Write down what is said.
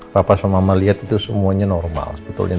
papa sama mama lihat itu semuanya normal sebetulnya